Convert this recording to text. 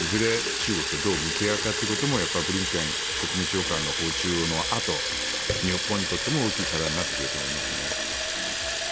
中国とどう向き合うかということもやっぱりブリンケン国務長官の訪中のあと、日本にとっても大きい課題になってくると思います。